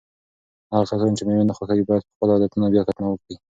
هغه کسان چې مېوې نه خوښوي باید په خپلو عادتونو بیا کتنه وکړي.